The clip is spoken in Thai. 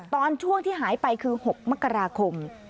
ตอนช่วงที่หายไปคือ๖มกราคม